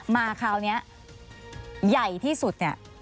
มาคาวนี้ใหญ่ที่สุด